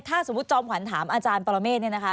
ถ้าสมมุติจอมขวัญถามอาจารย์ปรเมฆเนี่ยนะคะ